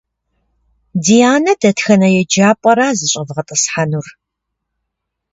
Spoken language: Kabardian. Дианэ дэтхэнэ еджапӏэра зыщӏэвгъэтӏысхьэнур?